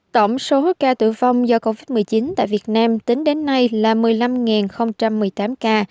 tổng số ca tử vong do covid một mươi chín tại việt nam tính đến nay là một mươi năm một mươi tám ca